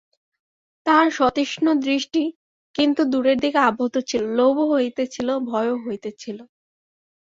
তাহার সতৃষ্ণ দৃষ্টি কিন্তু দূরের দিকে আবদ্ধ ছিল, লোভও হইতেছিল, ভয়ও হইতেছিল।